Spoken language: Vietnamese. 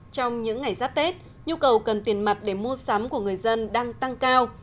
trong những ngày giáp tết nhu cầu cần tiền mặt để mua sắm của người dân đang tăng cao